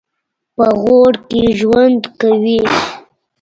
په غور کې ژوند کوي.